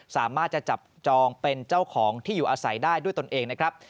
สามารถจะจับจองเป็นเจ้าของที่อยู่อาศัยได้ด้วยตนเองนะครับ